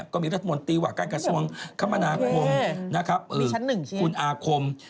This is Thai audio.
ก็มีรัฐมนตรีการกันกับส่วนคมนาคมมีชั้น๑ใช่ไหม